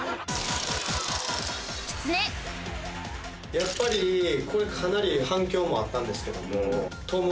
やっぱりこれかなり反響もあったんですけども。